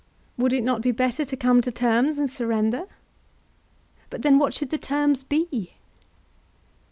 Would it not be better to come to terms and surrender? But then what should the terms be?